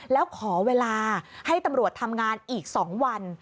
แล้วขอเวลาให้ตำรวจทำงานอีก๒วัน